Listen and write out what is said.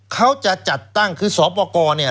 เขาจะจัดตั้งคือสอบประกอบเนี่ย